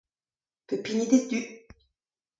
Pep hini d'e du.